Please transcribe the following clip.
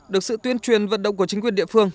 được sự tuyên truyền vận động của chính quyền địa phương